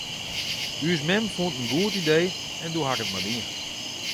Us mem fûn it in goed idee en doe haw ik it mar dien.